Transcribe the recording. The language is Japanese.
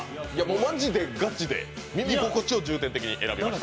マジでガチで耳心地を重点的に選びました。